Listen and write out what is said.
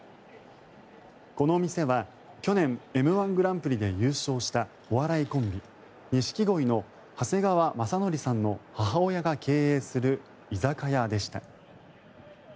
この店は去年Ｍ−１グランプリで優勝したお笑いコンビ、錦鯉の長谷川雅紀さんの母親が経営する居酒屋でした。